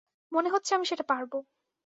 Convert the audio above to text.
মনে হচ্ছে আমি সেটা পারব।